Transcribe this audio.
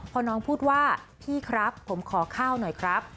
พอน้องพูดว่าพี่ครับผมขอข้าวหน่อยครับ